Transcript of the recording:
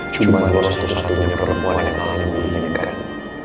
cuma lo satu satunya perempuan yang paling diinginkan